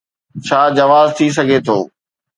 ڇا جواز ٿي سگهي ٿو؟'